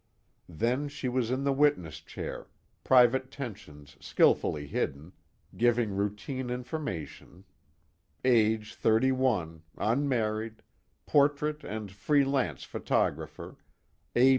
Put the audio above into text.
_" Then she was in the witness chair, private tensions skillfully hidden, giving routine information: age thirty one, unmarried, portrait and free lance photographer, A.